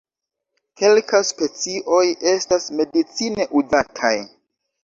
Kelka specioj estas medicine uzataj.